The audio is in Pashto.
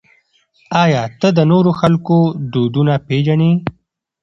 آیا ته د نورو خلکو دودونه پېژنې؟